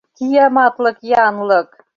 — Кияматлык янлык!